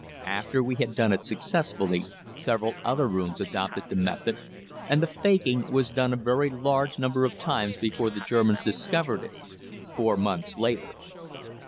After we had done it successfully, several other rooms adopted the method, and the "faking" was done a very large number of times before the Germans discovered it four months later.